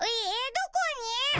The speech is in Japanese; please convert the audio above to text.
どこに？